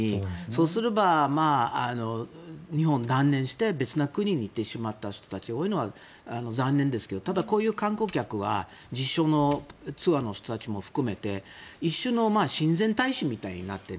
そうすれば日本を断念して別の国に行ってしまった人たちが多いのは残念ですけどただ、こういう観光客は実証のツアーの人たちも含めて一種の親善大使みたいになって